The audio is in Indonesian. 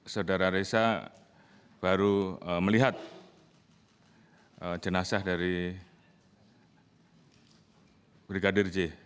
saudara reza baru melihat jenazah dari brigadir c